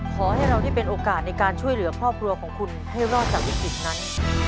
ขอให้เราได้เป็นโอกาสในการช่วยเหลือครอบครัวของคุณให้รอดจากวิกฤตนั้น